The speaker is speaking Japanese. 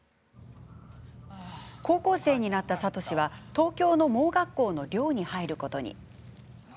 高校生になった智は東京の盲学校の寮に入ることに。